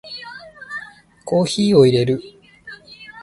コーヒーを淹れる